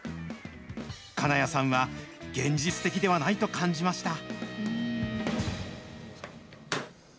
金谷さんは現実的ではないと感じました。